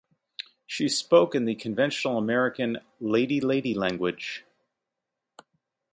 She spoke in the conventional American lady-lady language.